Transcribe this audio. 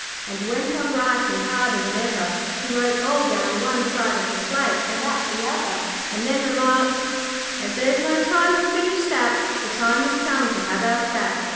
and went on writing harder than ever. He wrote all down one side of the slate and all up the other, and then remarked 'As there's no time to finish that, The time has come to have our chat.